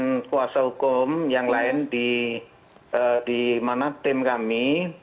dengan kuasa hukum yang lain di mana tim kami